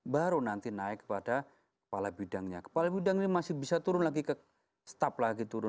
baru nanti naik kepada kepala bidangnya kepala bidang ini masih bisa turun lagi ke staf lagi turun